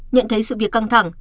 nhận thấy sự việc căng thẳng